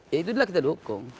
ya itu adalah kita dukung